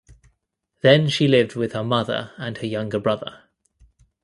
Then she lived with her mother and her younger brother.